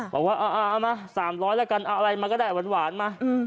บอกว่าเอามา๓๐๐แล้วกันเอาอะไรมาก็ได้หวานมา